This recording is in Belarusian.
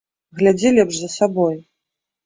Глядзі лепш за сабой!